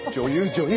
女優！